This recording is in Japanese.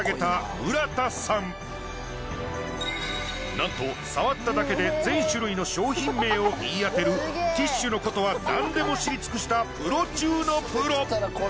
なんと触っただけで全種類の商品名を言い当てるティッシュのことは何でも知り尽くしたプロ中のプロ。